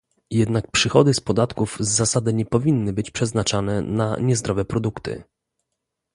Jednak przychody z podatków z zasady nie powinny być przeznaczane na niezdrowe produkty